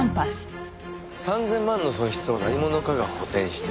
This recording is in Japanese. ３０００万の損失を何者かが補填していた。